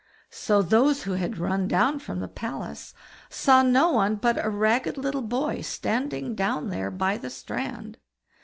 So those who had run down from the palace saw no one but a ragged little boy standing down there by the strand.